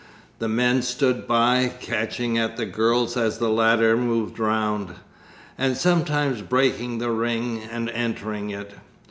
The men stood by, catching at the girls as the latter moved round, and sometimes breaking the ring and entering it.